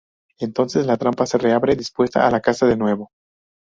Entonces la trampa se reabre dispuesta a la caza de nuevo.